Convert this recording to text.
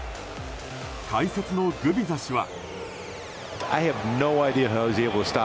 解説のグビザ氏は。